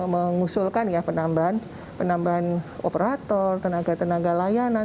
mengusulkan ya penambahan operator tenaga tenaga layanan